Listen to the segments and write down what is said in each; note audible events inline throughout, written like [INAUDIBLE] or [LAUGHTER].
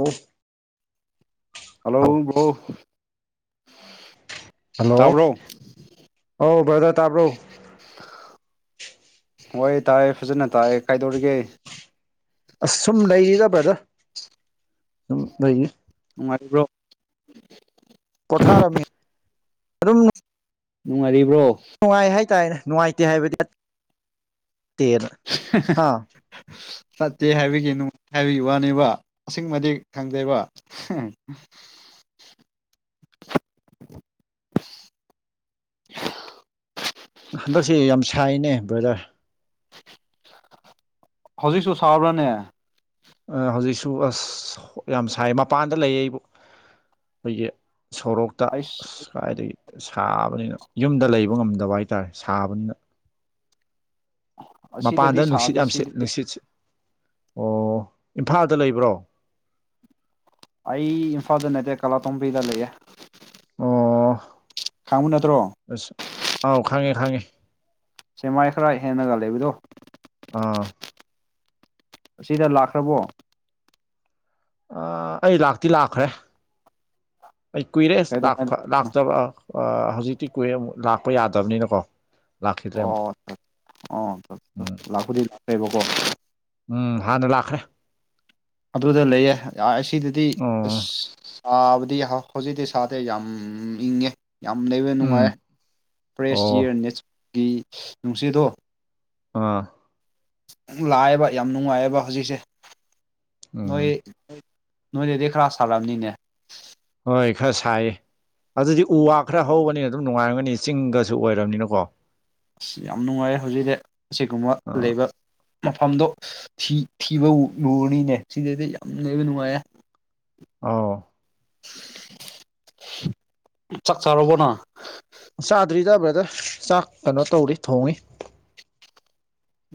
ꯑꯣ ꯍꯜꯂꯣ ꯍꯥꯎ bro hello ꯇꯥꯕ꯭ꯔꯣ ꯑꯧ ꯕ꯭ꯔꯗ ꯇꯥꯕ꯭ꯔꯣ ꯍꯣꯏ ꯇꯥꯏꯑꯦ ꯐꯖꯅ ꯇꯥꯏꯑꯦ ꯀꯩꯗꯧꯔꯤꯒꯦ ꯑꯁ ꯁꯨꯝ ꯂꯩꯔꯤꯗ ꯕ꯭ꯔꯗ ꯗꯨꯝ ꯂꯩꯔꯤ ꯅꯨꯡꯉꯥꯏꯔꯤꯕ꯭ꯔꯣ ꯄꯣꯊꯥꯔꯝꯃꯤ ꯑꯗꯨꯝ ꯅꯨꯡꯉꯥꯏꯔꯤꯕ꯭ꯔꯣ ꯇꯥꯏꯅ ꯅꯨꯡꯉꯥꯏꯇꯦ ꯍꯥꯏꯕꯗꯤ [UNINTELLIGIBLE] ꯇꯦꯅ ꯑꯥ ꯆꯠꯇꯦ ꯍꯥꯏꯕꯒꯤ ꯅꯨꯡ ꯍꯥꯏꯕꯒꯤ ꯋꯥꯅꯦꯕ ꯑꯁꯦꯡꯕꯗꯤ ꯈꯪꯗꯦꯕ ꯍꯦ ꯍꯦ [INAUDIBLE] [INAUDIBLE] ꯍꯟꯗꯛꯁꯤ ꯌꯥꯝ ꯁꯥꯏꯅꯦ ꯕ꯭ꯔꯗꯔ ꯍꯧꯖꯤꯛꯁꯨ ꯁꯥꯕ꯭ꯔꯅꯦ ꯍꯧꯖꯤꯛꯁꯨ ꯑꯁ ꯌꯥꯝ ꯁꯥꯏ ꯃꯄꯥꯟꯗ ꯂꯩꯌꯦ ꯑꯩꯕꯨ ꯈꯣꯏꯒꯤ ꯁꯣꯔꯣꯛꯇ ꯑꯩꯁ ꯑꯁ ꯀꯥꯏꯗꯒꯤ ꯁꯥꯕꯅꯤꯅ ꯌꯨꯝꯗ ꯂꯩꯕ ꯉꯝꯗꯕ ꯍꯥꯏꯇꯥꯔꯦ ꯁꯥꯕꯅꯤꯅ ꯃꯄꯥꯟꯗ ꯑꯁꯤꯗꯗꯤ ꯅꯨꯡꯁꯤꯠ ꯁꯥꯗꯦ ꯌꯥꯝꯁꯤꯠ ꯁꯤꯗꯗꯤ ꯅꯨꯡꯁꯤꯠꯁꯤ ꯑꯣ ꯏꯝꯐꯥꯜꯗ ꯂꯩꯕ꯭ꯔꯣ ꯑꯩ ꯏꯝꯐꯥꯜꯗ ꯅꯠꯇꯦ ꯀꯥꯂꯥꯇꯣꯝꯕꯤꯗ ꯂꯩꯌꯦ ꯑꯣ ꯈꯥꯡꯕ ꯅꯠꯇ꯭ꯔꯣ ꯑꯁ ꯑꯥꯎ ꯈꯪꯉꯦ ꯈꯪꯉꯦ ꯁꯦꯃꯥꯏ ꯈꯔ ꯍꯦꯟꯅꯒ ꯂꯩꯕꯗꯣ ꯑꯥ ꯑꯁꯤꯗ ꯂꯥꯛꯈ꯭ꯔꯕꯣ ꯑ ꯑꯩ ꯂꯥꯛꯇꯤ ꯂꯥꯛꯈ꯭ꯔꯦ ꯑꯩ ꯀꯨꯏꯔꯦ ꯀꯩꯗꯧꯉꯩ ꯂꯥꯛꯄ ꯂꯥꯛꯇꯕ ꯑ ꯍꯧꯖꯤꯛꯇꯤ ꯀꯨꯏꯔꯦ ꯂꯥꯛꯄ ꯌꯥꯗꯕꯅꯤꯅꯀꯣ ꯂꯥꯛꯈꯤꯗ꯭ꯔꯦ ꯑꯃꯨꯛ ꯑꯣ ꯑꯣ ꯎꯝ ꯑꯣ ꯂꯥꯛꯄꯨꯗꯤ ꯂꯥꯛꯑꯦꯕꯀꯣ ꯎꯝ ꯍꯥꯟꯅ ꯂꯥꯛꯈ꯭ꯔꯦ ꯑꯗꯨꯗ ꯂꯩꯔꯦ ꯑꯁꯤꯗꯗꯤ ꯑꯣ ꯑꯁ ꯇꯥꯕꯗꯤ ꯍꯧꯖꯤꯛꯇꯤ ꯁꯥꯗꯦ ꯌꯥꯝ ꯏꯪꯉꯦ ꯌꯥꯝ ꯂꯩꯕ ꯎꯝ ꯅꯨꯡꯉꯥꯏ ꯐ꯭ꯔꯦꯁ ꯑꯣ ꯏꯌꯥꯔ ꯅꯦꯇꯔꯀꯤ ꯅꯨꯡꯁꯤꯗꯣ ꯑꯥ ꯂꯥꯛꯑꯦꯕ ꯌꯥꯝ ꯅꯨꯡꯉꯥꯏꯌꯦꯕ ꯍꯧꯖꯤꯛꯁꯦ ꯎꯝ ꯅꯣꯏ ꯅꯣꯏꯗꯗꯤ ꯈ꯭ꯔꯥ ꯁꯥꯔꯝꯅꯤꯅꯦ ꯍꯣꯏ ꯈ꯭ꯔ ꯁꯥꯏꯌꯦ ꯑꯗꯨꯗꯤ ꯎ ꯋꯥ ꯈ꯭ꯔ ꯍꯧꯕꯅꯤꯅ ꯑꯗꯨꯝ ꯅꯨꯡꯉꯥꯏꯔꯝꯒꯅꯤ ꯆꯤꯡꯗꯁꯨ ꯑꯣꯏꯔꯝꯅꯤꯅꯀꯣ ꯑꯁ ꯌꯥꯝ ꯅꯨꯡꯉꯥꯏ ꯍꯧꯖꯤꯛꯇꯤ ꯑꯁꯤꯒꯨꯝꯕ ꯑꯥ ꯂꯩꯕ ꯃꯐꯝꯗꯣ ꯊꯤ ꯊꯤꯕ ꯂꯨꯔꯅꯤꯅꯦ ꯁꯤꯗꯗꯤ ꯌꯥꯝ ꯂꯩꯕ ꯅꯨꯡꯉꯥꯏꯌꯦ ꯑꯥꯎ ꯆꯥꯛ ꯆꯥꯔꯕꯣꯅ ꯆꯥꯗ꯭ꯔꯤꯗ ꯕ꯭ꯔꯗꯔ ꯆꯥꯛ ꯀꯅꯣ ꯇꯧꯔꯤ ꯊꯣꯡꯉꯤ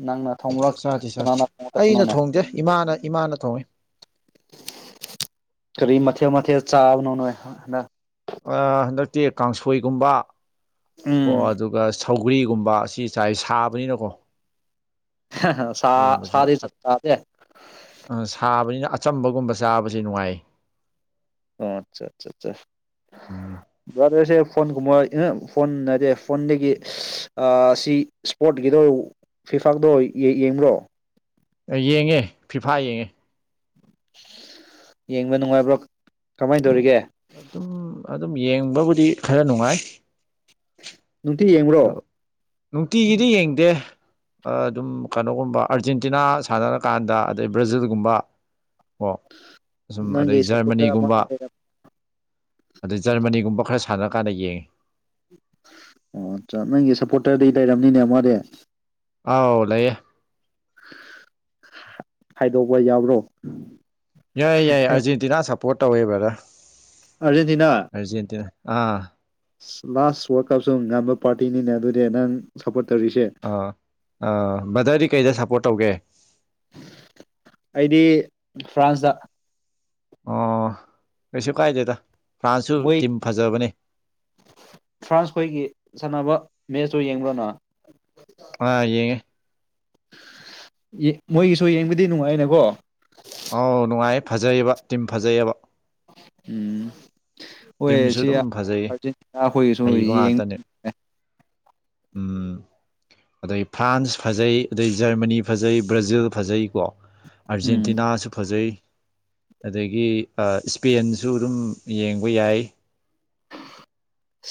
ꯅꯪꯅ ꯊꯣꯡꯕ꯭ꯔꯥ ꯆꯥꯗꯤ ꯆꯥꯗꯤ ꯀꯅꯥꯅ ꯑꯩꯅ ꯊꯣꯡꯉꯕꯅꯣꯅꯦ ꯊꯣꯡꯗꯦ ꯏꯃꯥꯅ ꯏꯃꯥꯅ ꯊꯣꯡꯉꯤ ꯀ꯭ꯔꯤ ꯃꯊꯦꯜ ꯃꯊꯦꯜ ꯆꯥꯕꯅꯣ ꯅꯣꯏ ꯍꯟꯗꯛ ꯑ ꯍꯟꯗꯛꯇꯤ ꯀꯥꯡꯁꯣꯏꯒꯨꯝꯕ ꯀꯣ ꯎꯝ ꯑꯗꯨꯒ ꯁꯧꯒ꯭ꯔꯤꯒꯨꯝꯕ ꯁꯤ ꯆꯥꯏ ꯁꯥꯕꯅꯤꯅꯀꯣ ꯁꯥ ꯀꯔꯤꯒꯨꯝꯕꯁꯤꯅ ꯁꯥꯗꯤ ꯆꯥꯗꯦ ꯑ ꯁꯥꯕꯅꯤꯅ ꯑꯆꯝꯕꯒꯨꯝꯕ ꯆꯥꯕꯁꯤ ꯅꯨꯡꯉꯥꯏ ꯑꯣ ꯑꯆꯥ ꯑꯆꯥ ꯆ ꯎꯝ ꯕ꯭ꯔꯗꯔꯁꯦ ꯐꯣꯟꯒꯨꯝꯕ ꯑꯩ ꯐꯣꯟ ꯅꯠꯇꯦ ꯐꯣꯟꯗꯒꯤ ꯑꯁꯤ ꯁ꯭ꯄꯣꯔꯠꯀꯤꯗꯣ ꯐꯤꯐꯥꯜꯗꯣ ꯌꯦꯡꯕ꯭ꯔꯣ ꯌꯦꯡꯉꯦ ꯐꯤꯐꯥ ꯌꯦꯡꯉꯦ [INAUDIBLE] ꯌꯦꯡꯕ ꯅꯨꯡꯉꯥꯏꯕ꯭ꯔꯣ ꯀꯃꯥꯏ ꯇꯧꯔꯤꯒꯦ ꯑꯗꯨꯝ ꯑꯗꯨꯝ ꯌꯦꯡꯕꯕꯨꯗꯤ ꯈꯔ ꯅꯨꯡꯉꯥꯏ ꯅꯨꯡꯇꯤ ꯑꯗꯣ ꯌꯦꯡꯕ꯭ꯔꯣ ꯅꯨꯡꯇꯤꯒꯤꯗꯤ ꯌꯦꯡꯗꯦ ꯑꯗꯨꯝ ꯀꯩꯅꯣꯒꯨꯝꯕ ꯑꯥꯔꯖꯦꯟꯇꯤꯅꯥ ꯁꯥꯟꯅꯔꯀꯥꯟꯗ ꯑꯗꯩ ꯕ꯭ꯔꯥꯖꯤꯜꯒꯨꯝꯕ ꯑꯣ ꯑꯁꯨꯝ ꯅꯪꯒꯤ ꯑꯗꯩ ꯁꯞꯄꯣꯔꯇꯔ ꯖꯔꯃꯅꯤꯒꯨꯝꯕ ꯑꯃꯗꯤ ꯂꯩꯔꯝ ꯑꯗꯩ ꯖꯔꯃꯅꯤꯒꯨꯝꯕ ꯈꯔ ꯁꯥꯟꯅꯔ ꯀꯥꯟꯗ ꯌꯦꯡꯉꯦ ꯑꯣ ꯑꯆꯥ ꯅꯪꯒꯤ ꯁꯞꯄꯣꯔꯇꯔꯗꯤ ꯂꯩꯔꯝꯅꯤꯅꯦ ꯑꯃꯗꯤ ꯑꯥꯎ ꯂꯩꯌꯦ ꯍꯥꯢꯗꯣꯛꯄ ꯌꯥꯕ꯭ꯔꯣ ꯌꯥꯏꯌꯦ ꯌꯥꯏꯌꯦ ꯑꯥꯔꯖꯦꯟꯇꯤꯅꯥ ꯁꯞꯄꯣꯔꯠ ꯇꯧꯋꯦ ꯕ꯭ꯔꯗꯔ ꯑꯔꯖꯦꯟꯇꯤꯅꯥ ꯑꯥꯔꯖꯦꯟꯇꯤꯅꯥ ꯑꯥ ꯂꯥꯁ ꯋꯥ꯭ꯔꯜꯗ ꯀꯞꯁꯨ ꯉꯝꯕ ꯄꯥꯔꯇꯤꯅꯤꯅꯦ ꯑꯗꯨꯗꯤ ꯅꯪ ꯁꯞꯄꯣ꯭ꯔꯠ ꯑꯥ ꯑꯥ ꯕꯗ꯭ꯔꯗꯤ ꯀꯩꯗ ꯁꯞꯄꯣ꯭ꯔꯠ ꯇꯧꯒꯦ ꯑꯩꯗꯤ ꯐ꯭ꯔꯥꯟꯁꯇ ꯑꯣ ꯀꯩꯁꯨ ꯀꯥꯏꯗꯦꯗ ꯐ꯭ꯔꯥꯟꯁꯁꯨ ꯃꯣꯏ ꯇꯤꯝ ꯐꯖꯕꯅꯦ ꯐ꯭ꯔꯥꯟꯁ ꯈꯣꯏꯒꯤ ꯁꯥꯟꯅꯕ ꯃꯦꯠꯁꯇꯣ ꯌꯦꯡꯕ꯭ꯔ ꯅꯪ ꯑꯥ ꯌꯦꯡꯉꯦ ꯌꯦ ꯃꯣꯏꯒꯤꯁꯨ ꯌꯦꯡꯕꯗꯤ ꯅꯨꯡꯉꯥꯏꯅꯦꯀꯣ ꯑꯧ ꯅꯨꯡꯉꯥꯏ ꯐꯖꯩꯕ ꯇꯤꯝ ꯐꯖꯩꯌꯦꯕ ꯎꯝ ꯍꯣꯏ ꯇꯤꯝꯁꯨ ꯁꯤ ꯑꯗꯨꯝ ꯐꯖꯩ ꯑꯥꯔꯖꯦꯟꯇꯤꯅꯥ ꯈꯣꯏꯒꯤꯁꯨ ꯍꯩꯕ ꯌꯦꯡꯕ ꯉꯥꯛꯇꯅꯦ ꯅꯨꯡꯉꯥꯏ ꯎꯝ ꯑꯗꯩ ꯐ꯭ꯔꯥꯟꯁ ꯐꯖꯩ ꯑꯗꯩ ꯖ꯭ꯔꯃꯅꯤ ꯐꯖꯩ ꯕ꯭ꯔꯥꯖꯤꯜ ꯐꯖꯩ ꯀꯣ ꯎꯝ ꯑꯥꯔꯖꯦꯟꯇꯤꯅꯥꯁꯨ ꯐꯖꯩ ꯑꯗꯒꯤ ꯁ꯭ꯄꯦꯟꯁꯨ ꯑꯗꯨꯝ ꯌꯦꯡꯕ ꯌꯥꯏ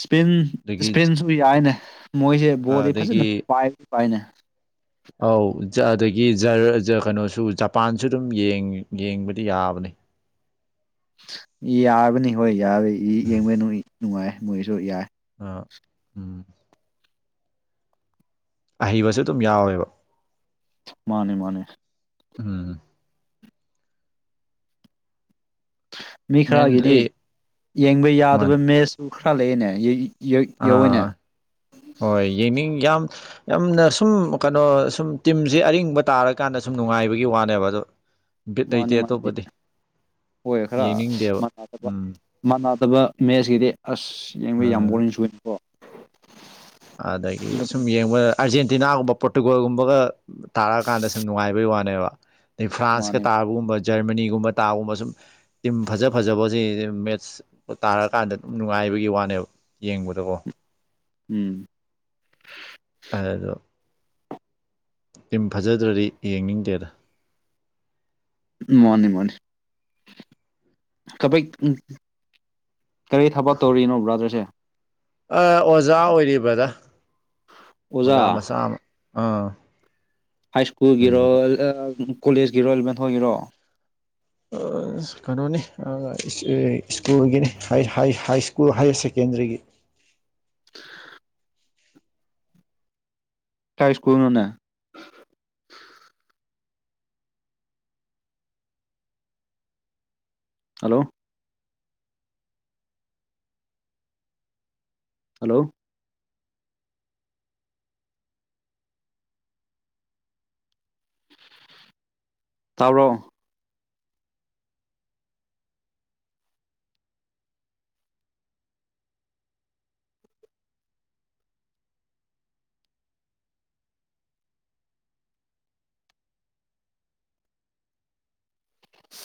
ꯁ꯭ꯄꯤꯟ ꯑꯗꯒꯤ ꯁ꯭ꯄꯤꯟꯖꯨ ꯌꯥꯏꯅꯦ ꯃꯣꯏꯖꯦ ꯕꯣꯜꯗꯤ ꯐꯖꯅ ꯑꯗꯒꯤ ꯄꯥꯏ ꯄꯥꯏꯅꯦ ꯑꯧ ꯑꯗꯒꯤ ꯖꯔ ꯖꯔ ꯀꯩꯅꯣꯁꯨ ꯖꯄꯥꯟꯁꯨ ꯑꯗꯨꯝ ꯌꯦꯡ ꯌꯦꯡꯕꯗꯤ ꯌꯥꯕꯅꯦ [INAUDIBLE] ꯌꯥꯕꯅꯤ ꯍꯣꯏ ꯌꯥꯕ ꯌꯦꯡꯕ ꯅꯨꯡ ꯅꯨꯡꯉꯥꯏ ꯃꯣꯏꯁꯨ ꯌꯥꯏ ꯑꯥ ꯎꯝ ꯑꯍꯩꯕꯁꯨꯦ ꯑꯗꯨꯝ ꯌꯥꯎꯋꯦꯕ ꯃꯥꯅꯦ ꯃꯥꯅꯦ ꯎꯝ ꯃꯤ ꯈꯔꯒꯤꯗꯤ ꯃꯦꯟꯂꯤ ꯌꯦꯡꯕ ꯌꯥꯗꯕ ꯃꯦ꯭ꯠꯁꯁꯨ ꯈꯔ ꯂꯩꯌꯦꯅꯦ ꯌꯧꯋꯤꯅꯦ ꯑꯥ ꯍꯣꯏ ꯌꯦꯡꯅꯤꯡ ꯌꯥꯝ ꯌꯥꯝꯅ ꯁꯨꯝ ꯀꯩꯅꯣ ꯁꯨꯝ ꯇꯤꯝꯖꯦ ꯑꯔꯤꯡꯕ ꯇꯥꯔꯀꯥꯟꯗ ꯁꯨꯝ ꯅꯨꯡꯉꯥꯏꯕꯒꯤ ꯋꯥꯅꯦꯕ ꯑꯗꯣ ꯕꯤꯠ ꯂꯩꯇꯦ ꯃꯥꯅꯤ ꯃꯥꯅꯤ ꯑꯇꯣꯞꯄꯗꯤ ꯍꯣꯏ ꯈꯔ ꯌꯦꯡꯅꯤꯡꯗꯦꯕ ꯃꯥꯟꯅꯕ ꯎꯝ ꯐꯖꯗꯕ ꯃꯦ꯭ꯠꯁꯀꯤꯗꯤ ꯑꯁ ꯌꯦꯡꯕ ꯑ ꯌꯥꯝ ꯕꯣꯔꯤꯡ ꯆꯨꯌꯦꯀꯣ ꯑꯗꯒꯤ ꯁꯨꯝ ꯌꯦꯡꯕ ꯑꯥꯔꯖꯦꯟꯇꯤꯅꯥꯒꯨꯝꯕ ꯄꯣꯔꯇꯨꯒꯜꯒꯨꯝꯕꯒ ꯇꯥꯔꯛꯑꯀꯥꯟꯗ ꯁꯨꯝ ꯅꯨꯡꯉꯥꯏꯕꯩ ꯋꯥꯅꯦꯕ ꯐ꯭ꯔꯥꯟꯁ ꯀ ꯃꯥꯅꯦ ꯇꯥꯕꯒꯨꯝꯕ ꯖ꯭ꯔꯃꯅꯤꯒꯨꯝꯕ ꯇꯥꯒꯨꯝꯕ ꯁꯨꯝ ꯇꯤꯝ ꯐꯖ ꯐꯖꯕꯖꯦ ꯃꯦ꯭ꯠꯁ ꯇꯥꯔꯛꯀꯥꯟꯗ ꯑꯗꯨꯝ ꯅꯨꯡꯉꯥꯏ ꯍꯥꯏꯕꯒꯤ ꯋꯥꯅꯦꯕ ꯌꯦꯡꯕꯗꯀꯣ ꯎꯝ ꯑꯗꯣ ꯇꯤꯝ ꯐꯖꯗ꯭ꯔꯔꯤ ꯌꯦꯡꯅꯤꯡꯗꯦꯗ ꯃꯥꯅꯤ ꯃꯥꯅꯤ ꯀꯕꯤꯛ ꯀꯔꯤ ꯊꯕꯛ ꯇꯧꯔꯤꯅꯣ ꯕ꯭ꯔꯥꯗ꯭ꯔꯁꯦ ꯑꯣꯖꯥ ꯑꯣꯏꯔꯤ ꯕ꯭ꯔꯥꯗꯔ ꯑꯣꯖꯥ ꯃꯆꯥ ꯑꯃ ꯑꯥ ꯍꯥꯏ ꯁ꯭ꯀꯨꯜꯒꯤꯔꯣ ꯁ꯭ꯀꯨꯜꯒꯤ ꯀꯣꯂꯦꯖꯀꯤꯔꯣ ꯑꯦꯂꯕꯦꯟꯍꯣꯏꯒꯤꯔꯣ ꯑꯣ ꯀꯩꯅꯣꯅꯤ ꯁ꯭ꯀꯨꯜꯒꯤꯅꯤ ꯍꯥꯏ ꯍꯥꯏ ꯍꯥꯏꯁꯀ꯭ꯨꯜ ꯍꯥꯏꯌꯥꯔꯁꯦꯀꯦꯟꯗꯔꯤꯒꯤ [INAUDIBLE] [UNINTELLIGIBLE] ꯀꯥꯏ ꯁ꯭ꯀꯨꯜꯅꯣꯅꯦ ꯍꯜꯂꯣ ꯍꯜꯂꯣ ꯇꯥꯕ꯭ꯔꯣ